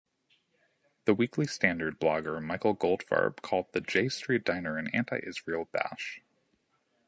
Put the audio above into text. "The Weekly Standard" blogger Michael Goldfarb called the J Street dinner an "anti-Israel bash.